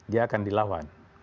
dia akan dilawan